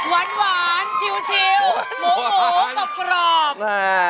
วันหวานชิวหมูกรอบ